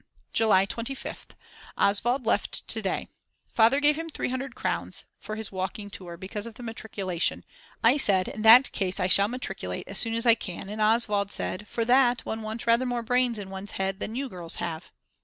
July 25th. Oswald left to day. Father gave him 300 crowns for his walking tour, because of the matriculation. I said: "In that case I shall matriculate as soon as I can" and Oswald said: "For that one wants rather more brains in one's head than you girls have."